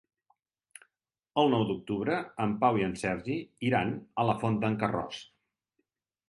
El nou d'octubre en Pau i en Sergi iran a la Font d'en Carròs.